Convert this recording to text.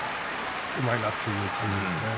うまいなという感じですね。